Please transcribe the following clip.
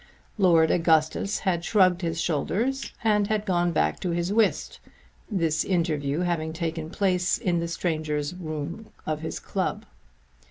Lord Augustus had shrugged his shoulders and had gone back to his whist, this interview having taken place in the strangers' room of his club.